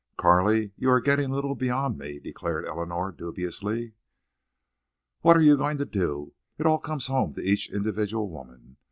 "Carley, you are getting a little beyond me," declared Eleanor, dubiously. "What are you going to do? It all comes home to each individual woman.